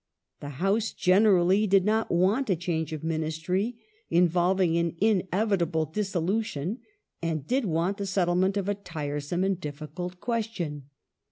The House generally did not want a change of Ministry, involving an inevitable dissolution and did want the settlement of a tiresome and difficult question.